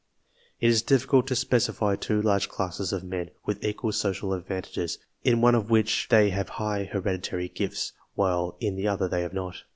It is difficult to specify two large classes of men, with equal social advantages, in one of which they have high hereditary gifts, while in the other they have not.